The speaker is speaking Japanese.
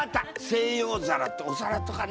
西洋皿ってお皿とかね。